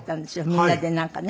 みんなでなんかね。